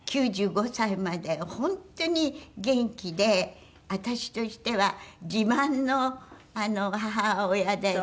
９５歳まで本当に元気で私としては自慢の母親で。